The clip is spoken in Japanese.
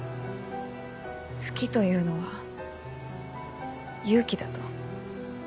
「好きと言うのは勇気だ」と。